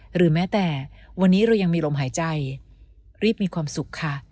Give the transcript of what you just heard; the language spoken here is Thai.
หรือแม้แต่วันนี้เรายังมีลมหายใจรีบมีความสุขค่ะ